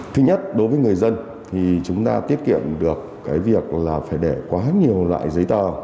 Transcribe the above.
thứ nhất đối với người dân thì chúng ta tiết kiệm được cái việc là phải để quá nhiều loại giấy tờ